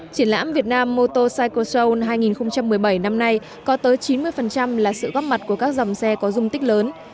triển lãm việt nam motocycle show hai nghìn một mươi bảy năm nay có tới chín mươi là sự góp mặt của các dòng xe có dung tích lớn